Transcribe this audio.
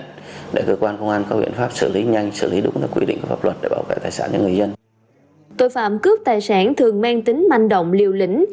tội phạm cướp tài sản thường mang tính manh động liều lĩnh